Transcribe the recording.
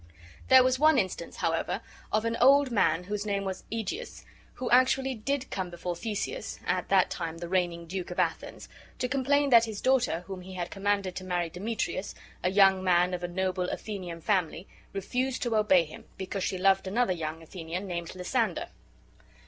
There was one instance, however, of an old man, whose name was Egeus, who actually did come before Theseus (at that time the reigning Duke of Athens), to complain that his daughter whom he had commanded to marry Demetrius, a young man of a noble Athenian family, refused to obey him, because she loved another young Athenian, named Lysander.